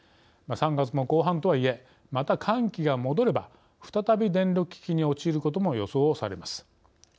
３月も後半とはいえまた寒気が戻れば再び電力危機に陥ることも予想されます。